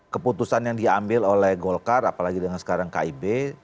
keputusan yang diambil oleh golkar apalagi dengan sekarang kib